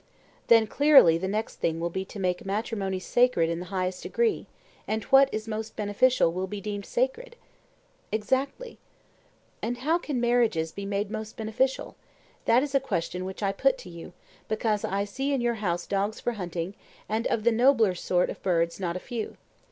Then clearly the next thing will be to make matrimony sacred in the highest degree, and what is most beneficial will be deemed sacred? Exactly. And how can marriages be made most beneficial?—that is a question which I put to you, because I see in your house dogs for hunting, and of the nobler sort of birds not a few.